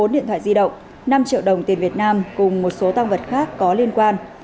một mươi điện thoại di động năm triệu đồng tiền việt nam cùng một số tăng vật khác có liên quan